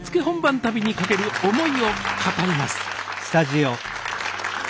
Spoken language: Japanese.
本番旅にかける思いを語ります